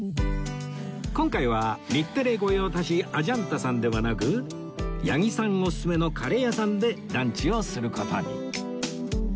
今回は日テレ御用達アジャンタさんではなく八木さんおすすめのカレー屋さんでランチをする事に